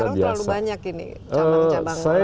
sekarang terlalu banyak ini cabang cabang